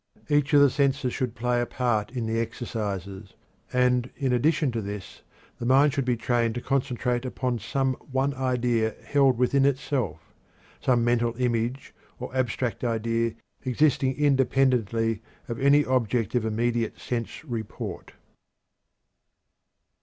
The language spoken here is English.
Each of the senses should play a part in the exercises, and in addition to this the mind should be trained to concentrate upon some one idea held within itself some mental image or abstract idea existing independently of any object of immediate sense report.